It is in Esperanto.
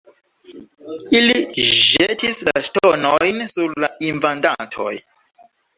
Ili ĵetis la ŝtonojn sur la invadantoj.